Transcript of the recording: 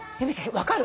分かる。